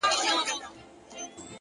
د زيارتـونو يې خورده ماتـه كـړه-